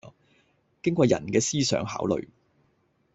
經過人嘅思想考慮